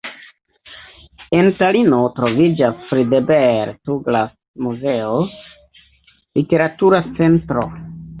En Talino troviĝas Friedebert-Tuglas-muzeo, literatura centro.